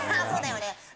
そうだよね